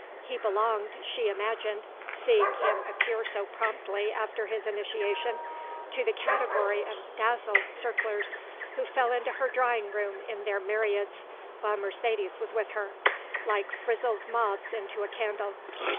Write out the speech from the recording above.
He belonged, she imagined, seeing him appear so promptly after his initiation, to the category of dazzled circlers who fell into her drawing room in their myriads while Mercedes was with her, like frizzled moths into a candle.